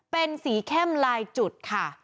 เป็นสีเข้มลายจุดค่ะ